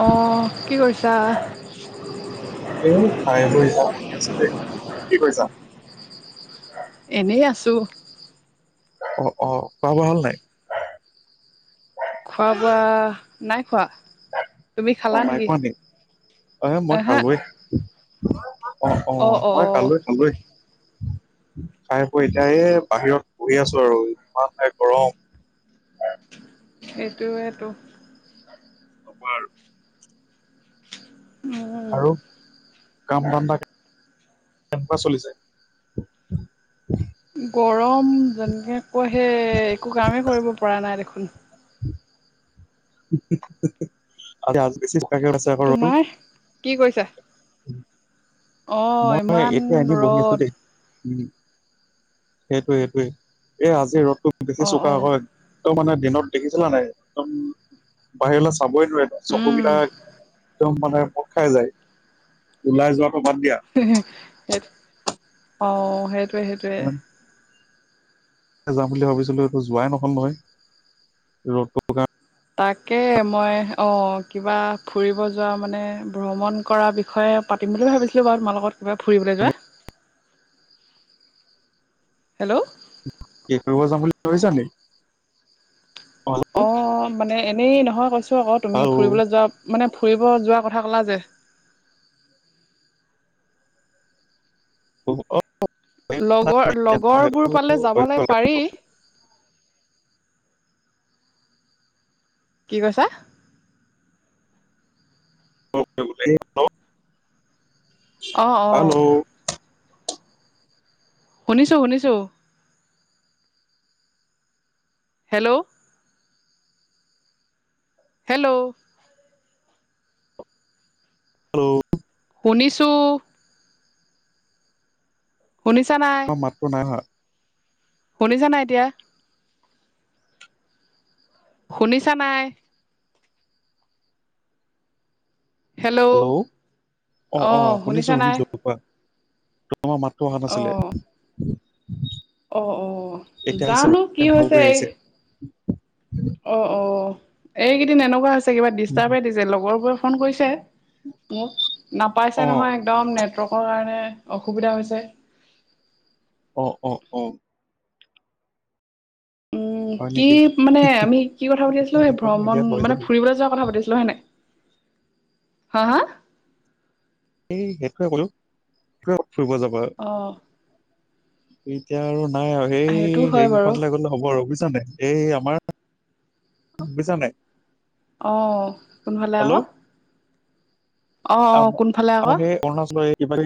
অঁ কি কৰিছা এ ঠাই গ যাম শি আছো দেই কি কৈছা [unintelligible] এনেই আছো। অ অ খাৱা-বোৱা হ'ল নাই? খোৱা- বোৱা নাই খোৱা। তুমি অ খালা নাই নেকি? পোৱা নি? অ মই এহে খালোএ। অ অ মই খালোএ খালোএ। খাই পৈ এতিয়াই এই বাহিৰত বহি আছো আৰু ইমানহে গৰম। সেইটোৱেতো। অপাৰ উম, আৰু কাম ধান্দা কেনকা চলিছে? গৰম যেনেকে কৈ সেই একো কামেই কৰিব পৰা নাই দেখোন। আজ গছ [unintelligible] তোমাৰ কি কৰিছা? উম [inaudible] অ', মই ইমান এতিয়া এনে বহি আছো ৰ'দ। দেই। উ সেইটয়ে সেইটোৱে এই আজি ৰ'দটো বেছি অ', চোকা অ', হয় একম মানে দিনত দেখিছিলা নাই একদম বাহিৰলৈ চাবই নোৱাৰেদম উম। চকুকেইটা একদম মানে মূট খাই যায় ওলাই যোৱটো বাদ দিয়া। সেই অ সেইটোৱে সেইটোৱে। যাম বুলি ভাবিছিলো এইটো যোৱাই নহ'ল নহয়। ৰ'দটোৰ কাৰণে তাকে মই অ কিবা ফুৰিব যোৱা মানে ভ্ৰমণ কৰা বিষয়ে পাতিম বুলি ভাবিছিলো বাৰু তোমাৰ লগত কিবা ফুৰিবলৈ কাৰণে যোৱা। হেল্ল'। কি কৰিব যাম বুলি ভাবিছা নি? হেল্ল' অঁ মানে এনেই নহয় কৈছোঁ আকৌ তুমি হেল্ল' ফুৰিবলৈ যোৱা মানে ফুৰিব যোৱাৰ কথা ক'লা যে? [unintelligible] লগৰ হেল্ল' লগৰবোৰ পালে যাবলৈ পাৰি কি কৈছা? বলে হেল্ল' অঁ অঁ শুনিছোঁ শুনিছোঁ হেল্ল' হেল্ল' হেল্ল' শুনিছো শুনিছা নাই অ মাততোনাই অহা শুনিছা নাই এতিয়া শুনিছা নাই হেল্ল' অ শুনিছো শুনিছা নাই শুনিছো কোৱা তোমাৰ মাতটো অহা নাছিলে অ অ এতিয়া আহিছে জানো কি হৈছে ভালকৈ এই আহিছে। অ অ এইকেইদিন এনেকুৱা হৈছে কিবা ডিষ্টাৰ্ব দিছে লগৰবোৰে ফোন কৰিছে মোক নাপাইছে অ' নহয় একদম নে কৰ কাৰণে অসুবিধা হৈছে অ' অ' অ' উম হয় কি নেকি মানে আমি কি কথা পাতিছিলো সেই একো নাই এতিয়া ভ্ৰমণ হৈ মানে যাব। ফুৰিবলৈ যোৱাৰ কথা পাতিছিলো হয়নে হা হা এই সেইটোৱে কলো সেইটোৱে ফুৰিব যাবা অঁ এতিয়া আৰু নাই আৰু সেইটো সেই হয় বাৰু হেইকেইখনলে গ'লে হ'ব আৰু জানে এই আমাৰ বুজিচানে আহ কোনফালে আকৌ অঁ অঁ কোনফালে আকৌ সেই অৰুণাচলৰ এই কিবি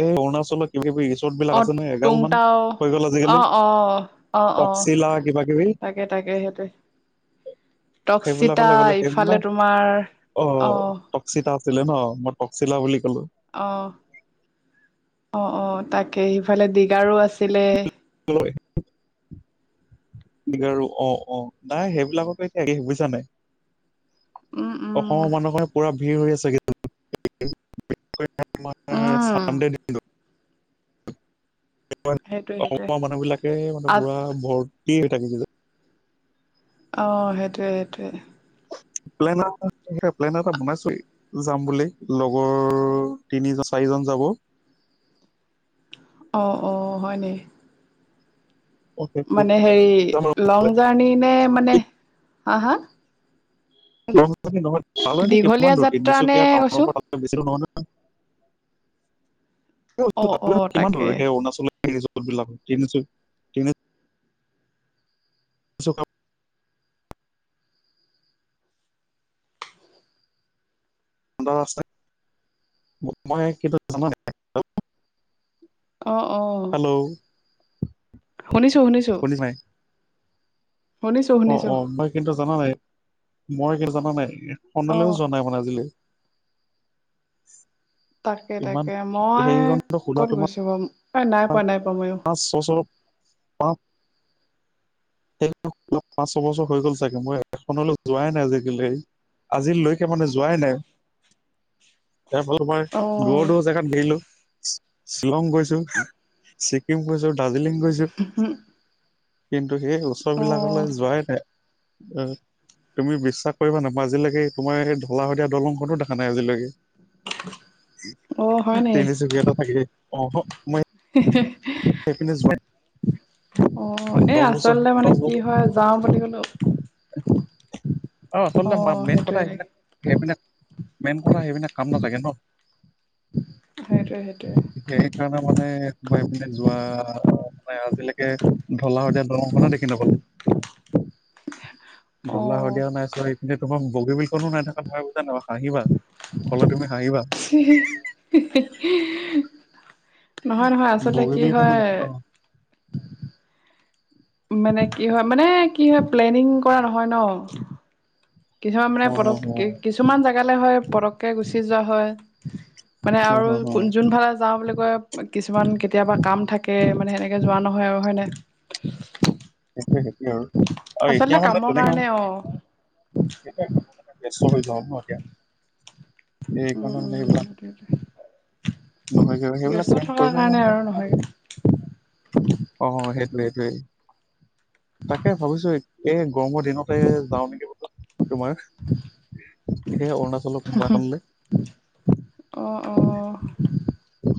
এই অৰুণাচলৰ কিবাকিবি চত বিলাক অঁ আছে ন এগাল মান তুংটাও হৈ গ'ল আজিকালি অঁ অঁ অঁ অঁ তকচিতা কিবা কিবি তাকে তাকে সহঁতে টক্সিতা সেইবিলাকলৈ গ'লে সেই ইফালে নাই তোমাৰ অহ ছিলে ন মই টকসিলা বুলি কলো অ' অ অ তাকে সিফালে দীগাৰো আছিলে ঐ ডিগাৰুঅ অনাই সেইবিলাকতো এতিয়াএৰিমবুছা নাই উম উম অসমৰ মানুহৰপুৰা ভিৰ হৈ আছে উম চান সেইটোৱে সেইটোৱে অসমৰ মানুহ বিলাকে মানে আ পুৰা ভৰ্তি হৈ থাকে বুলে অ সেইটয়ে সেইটয়ে প্লেন এ প্লেন এটা বনাইছো যাম বুলি লগৰ তিনিজন চাৰিজন যাব অ অ হয়নে মানে হেৰি লং যাব জাৰ্ণি নে মানে হা হা নহয় তালৈ নো দীঘলীয়া কিমান যাত্ৰা নে তিনিচুকীয়া টাউনৰ কৈছো পৰা বেছিদুৰনহয় ন অঁ [unintelligible] অঁ কিমান তাকে বাৰু সেই অৰুণাচল ৰিজৰ্ট বিলাকত [unintelligible] আছ ক [unintelligible] মই কিন্ত জানা নাই অ, অ হেল্ল' শুনিছোঁ শুনিছোঁ শুনিছা নাই অ অ মই কিন্তু জানা নাই মই কিন্তু জাননা নাই সলৈও অঁ জোৱা নাই মানে আজিলি [unintelligible] তাকে তাকে মই খোলা ক'ত তোমাৰ গৈছো বা অ নাই পোৱা নাই পোৱা ময়ো পাঁচ ছবছৰ পাঁচ সেই পাঁচ ছয়বছৰ হৈ গ'ল চাগে মই এখনলৈ যোৱাই নাই আজিকালি- আজিলৈকে মানে যোৱাই নাই। [inaudible] ইাৰ ফালৰ পৰাই অঁ দূৰৰ দূৰ জেগাত দেৰিিলো শ্বিলং গৈছো। ছিকিম গৈছো, দাৰ্জিলিং গৈছো কিন্তু- ত সেই অঁ ওচৰবিলাকলৈ যোৱাই নাই। তুমি বিশ্বাস কৰিবা নাপা আজিলৈকে তোমাৰ এই ঢলা শদীয়া দলংখনো দেখা নাই আজিলৈকে- অঁ হয় নি তিনিচুকীয়াটা থাকেই অ মই সেই পিনে জোৱোই অ এই আচলতে মানে দহ কি বছৰ হয় যাওঁ বুলি ক'লেও- অ আচলতে মেইন কথা সেইবিলাক সেইবিলাক- মেইন কথা সেইবিলাক কাম নাথাকে ন। সেইটোৱে সেইটোৱে সেই কাৰণে মানে সোমাই পিনে যোৱা মানে আকে ঢলা, শদিয়া দঙখে দেখি নাপালো ঢলা অ', সদিয়াও নাইছো এপিনে তোমাৰ- বগী, বিলখনো নাইথকা ভয় বুজ জান ন হাঁহিবা কললে তুমি- হাঁহিবা হিই হিই নহয় নহয় আচলতে কি বগীবিলখনো হয়। দেখা অ মানে কি হয় মানে কি হয় প্লেনিং কৰা নহয় ন। কিছুমান মানে অ পক অ অ কিছুমান জেগালৈ হয় পটককৈ গুচি যোৱা হয়। মানে অ আৰু অ অ কোন যোন ভাল আ যাওঁ বুলি কয় কিছুমান কেতিয়াবা কাম থাকে মানে সেনেকে যোৱা নহয় আৰু হয়নে। স সেইটো আৰু আৰু এতিয়া আচলতে মানে কামৰ তেনেকা- কাৰণে অ এ ব্যস্ত হৈ যাম ন এতিয়া- এই কণ উম মান উম এইবিলাক- সেইটোৱে নহয় সেইবিলাক ব্যস্ত থকাৰ কৰিব কাৰণে আৰু [unintelligible] নহয়গে অ স- সেইটোৱেই তাকে ভাবিছো এই গৰমৰ দিনতে যাওঁ নেকি বোলো তোমাৰ সেই অৰুণাচলৰ কোনোবাএখনলে অ' অ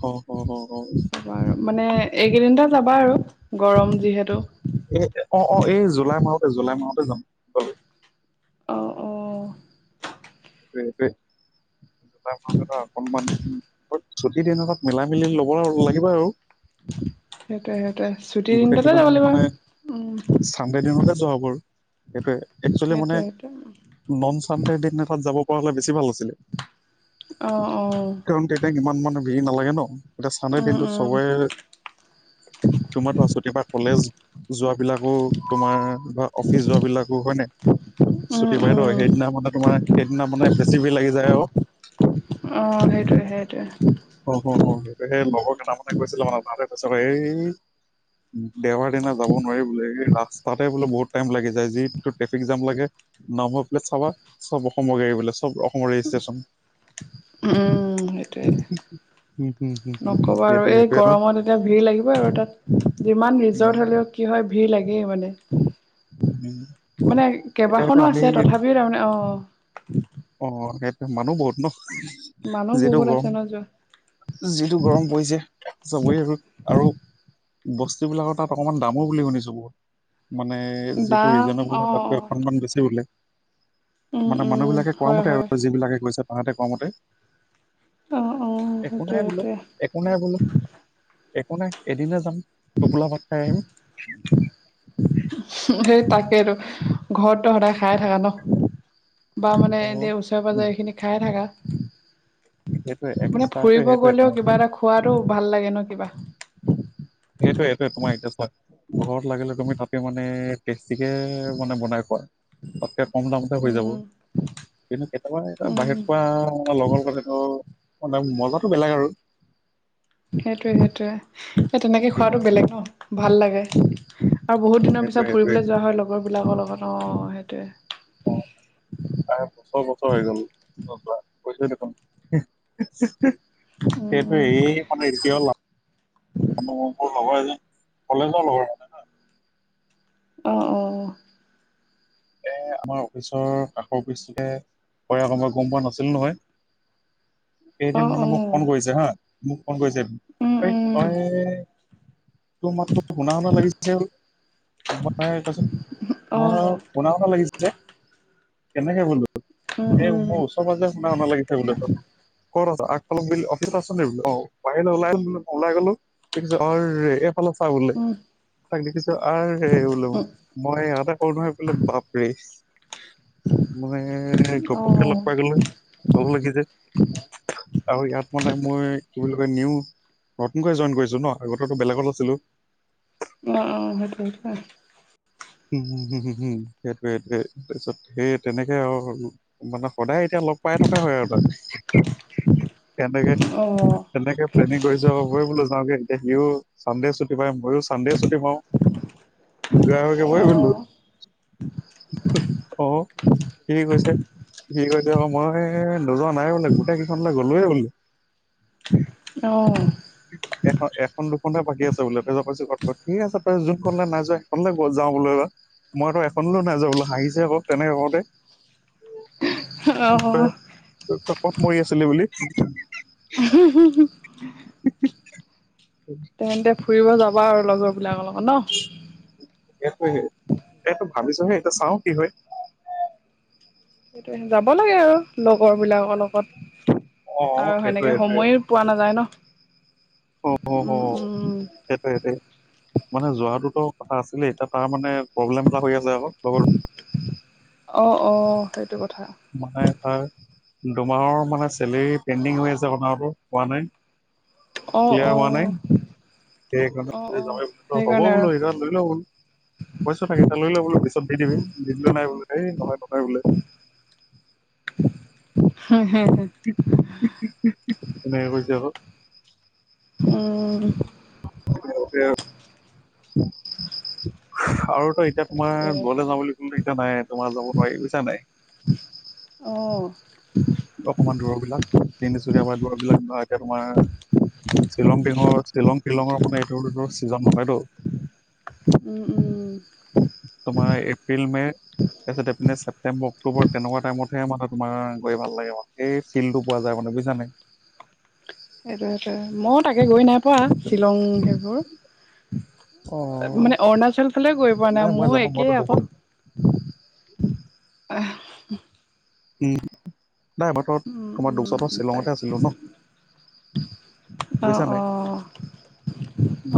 অ অ অ অ আৰু মানে এইকেইদিনটে যাবা আৰু- গৰম যিহেতু এ অ অ এই জুলাই মাহতে জুলাই মাহতে যাম গলে অ অ সেইটো এইটোৱে জোতাই মাহটো এটা অকনমান ছুটি দিনতে মিলাই মেলি ল'ব লাগিব আৰু- সেইটোৱে সেইটোৱে ছুটিৰ গোটেই দিনটোতে কেইজন যাব লাগিব মানে আৰু উম চানডে দিনতে যোৱা হ'ব আৰু সেইটোৱে একচুৱেলি মানে সেইটোৱে সেইটোৱে মন চানডে দিন তাত যাব। তই হলে বেছি ভাল আছিলে অঁ অঁ কাৰণ তেতিয়া ইমান মানে ভিৰ নালাগে ন এতিয়া চানদে উম দিনটোত উম চবৰে- ই থৰাসত পৰা কলেজ যোৱাবলাকো তোমাৰ বা অফিচ যোৱ বিলাকো হয় নে ছুটি উম পাইতো উম সেইদিনা মানে তোমাৰ সেইদিনা মানে বেছি ভিৰ লাগি যায় আৰু অঁ সেইটোৱে সেইটোৱে অ হ হ সেই লগৰ কেইটামানে কৈছিলে মানে তাতে কৈছে এই দেওবাৰ দিনা যাব নোৱাৰি বোলে এই ৰাস্তাতে বোলে বহুত- টাইম লাগি যায় যিটো ট্ৰেফিক জাম লাগে নাম বাৰ পেলেট চাবা চব অসমৰ গাড়ী বোলে চব- মোৰ ৰেছটেছন উম সেইটোৱে নকব আৰু সেইটোৱে এই সেইটোৱে ন গৰমত এতিয়া ভিৰ লাগিব আৰু তাত যিমান উম ৰিজৰ্ট হ'লেও কি হয় ভিৰ লাগেই মানে। উম মানে এতিয়া সেইটো কেইবাখনো আমি আছে তথাপিও তাৰমানে অ অ সেইটো মানুহ বহুত ন মানুহ যিতু বহুত গৰম। আছে ন যোৱা যিতো গৰম পৰিছে যাবই আৰু বস্তুবিলাকৰ তাত অকণমান দামো বুলি শুনিছোঁ ব মানে যিটো দাম ৰিজনেবল অঁ হয় তাতকৈ অঁ অকনমান বেছি বোলে উম মানে উম মানুহবিলাকে কোৱা হয় মতে হয় আৰু যিবিলাকে কৈছে তাহাঁতে কোৱা মতে অঁ অঁ একো সেইটোৱে নাই বোলে সেইটোৱে একো নাই বোলে একো নাই এদিনে যাম টোপোলা ভাত খাই আহিম সেই তাকে তো ঘৰত ত সদায় খাই থাকা ন বা মানে অ এনে ওচৰে উম, পাঁজৰে এইখিনি খায়ে থাকা সেইটোৱে এক্সট্ৰা ফুৰিব সেইটোৱে গলেও তোমাৰ কিবা এটা খোৱাতটো ভাল লাগে ন কিবা হয় ঘৰত লাগিল তুমি তাতে মানে বেছিকৈ মানে বনাই খোৱা তাতকৈ কম দামতে হৈ যাব উম কিন্তু কেতিয়াবা এ উম বাহিৰ খোৱা লগৰ পালেটো মানে মজাটো বেলেগ আৰু সেইটোৱে সেইটোৱেই এ তেনেকে খোৱাটো বেলেগ ন ভাল লাগে আৰু বহুত দিনৰ সেইটোৱে পিছত সেইটোৱে ফুৰিবলৈ যোৱা হয় লগৰ বিলাকৰ লগত অ সেইটোৱে অ আ পিছৰ বছৰ বছৰ হৈ গল যোৱা কৈছোৱেই দেখোন সেইটো উম এই মানে এতিয়াও যে কলেজৰ লগৰ মানে অ অ এ আমাৰ অফিচৰ কাষৰ অফিচতে হয় আক মই গম পোৱা নাছিলোঁ নহয় অ অ কেইদিন অ মানে মোক ফোন কৰিছে হা মোক ফোন কৰিছে উম উম তই তোৰ মাততো শুনা শুনা লাগিছিল মই কৈছো অ মই শুনা শুনা কেনেকে হল উম এ উম মোৰ ওচৰে পাজৰে শুনা শুনা লাগিছে বোলে ক'ত আছা আগফালে অফিচত আছ দে অ বাহিৰলৈ ওলাই গলো চা বোলে উম তাক দেখিছো আৰু বোলে মই ইয়াতে কৰো নহয় বাপৰে মানে অ ঘপকে লগ পাই অ গলো ভাল লাগিছিল আৰু ইয়াত মানে মই কি বুলি কয় নিওঁ নতুনকৈ জইন কৰিছো ন আগতেটো বেলেগত আছিলো অ অ সেইটো হয় হম হম হম সেইটোয়ে সেইটোৱে তাৰপিছত সেই তেনেকে আৰু মানে সদায় এতিয়া পাই থকা হয় আৰু তাক তেনেকে অ তেনকে প্লেনিং কৰিছোঁ বোলো যাওঁগে এতিয়া সিওঁ চানডে ছুটী পায় ময়ো চানডে ছুটী পাওঁ [unintelligible] অ সি কৈছে মই নোযোৱা নাই বোলে গোটেই কেইখনলৈ গ'লোয়ে বোলে অ এখন এখন দুখনহে বাকী আছে বোলে তাৰ পিছত কৈছে যোনখনলে নাই যোৱা সেইখনলে যাওঁ বোলো এইবাৰ মইতো এখন নাইযোৱা বোলো হাঁহিছে আকৌ তেনেকে কওঁতে অ মৰি আছিলে বুলি [unintelligible] তেন্তে ফুৰিব যাবা আৰু লগৰ বিলাকৰ লগত ন সেইটো এইটো ভাবিছোহে এইটো চাওঁ কি হয় যাব লাগে আৰু লগৰ বিলাকৰ লগত অ আৰু সেইটোৱে সেনেকে সেইটোৱে সময় পোৱা নাযায় ন অ সেইটো উম উম সেইটোৱে মানে যোৱাটোত কথা আছিলেই এতিয়া তাৰ মানে প্ৰব্লেম এটা হৈ আছে লগৰ অ অ সেইটো কথা মানেফাৰ দুমাহৰ মানে চেলেৰি পেণ্ডিং হৈ আছে কথাটো হোৱা নাই। অ' ক্লিয়াৰ অ। হোৱা নাই অ সেইকাৰণে যে অ নহয় বোলো হব সেইকাৰণে আৰু বোলো সেইখন লৈ লওঁ বোলো। কৈছো তাক এতিয়া লৈ ল বোলো পিছত দি দিবি নিদিলো নাই বোলো সেই নহয় ককাই বোলে। হাঁইহ! এনেকে কৈছে ক। অঁ অঁ! Okay okay. আৰুতো এতিয়া তোমাৰ তাকে গৰলে যাওঁ বুলি মাৰিছা নাই তোমাৰ যাব পাৰি বুইছা নাই। অ উম অকমান দূৰবিলাক তিনিচুকীয়াপা দূৰবিলাক ধৰা এতিয়া তোমাৰ শ্বিলং টিঙৰ শ্বিলং টিলঙৰ মানে এইটো চিজন নহয়টো। উম! উম! তোমাৰ এপ্ৰিল মে তাৰপিছত এপিনে ছেপটেম্বৰ অক্টোবৰ তেনেকুৱা টাইমত সেইমতে তোমাৰ গৈ ভাল লাগে মানে সেই ফিল্ডটো পোৱা যায় মানে বুইছানাই। সেইটোৱে সেইটোৱে মও তাকে গৈ নাইপোৱা শ্বিলং অ সেইবোৰ মানে অৰুণাচল ফালে গৈ পোৱা নাই মই মোও জানো মইতো একেই আক। দুবছৰ নাই মই ত তোমাৰ দুচত উম তাক শ্বিলঙতে আছিলোঁ ন। অ! বুজিছা অ! নাই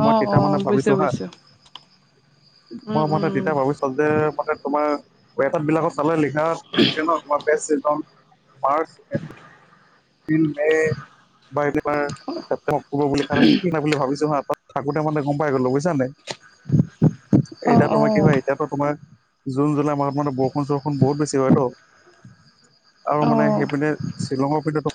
মই অঁ তেতিয়া অঁ মানে বুজিছো ভাবিছো হা বুজিছোঁ। উম মই মানে উম তেতিয়া ভাবিছ যে মানে তোমাৰ ৱেফত বিলাকত চালে লিখা থাকে ন তুমাৰ মাৰ্চ এপ্ৰিল মে বা এইবিলাক তুমাৰ চেপ্তেম অক্টোবৰ বুলি লিখা থাকে কি বা বুলি ভাবিছো হা তাত থাকোতে মানে গম পাই গ'লো বুইছা নাই। অ এতিয়া অ তোমাৰ কি হয়, এতিয়াতো তোমাৰ। জুন জুলাই মাহত মানে বৰষুণ চৰষুণ বহুত বেছি হয়তো। আৰু মানে অ সেইপিনে শ্বিলঙৰ পিনেতু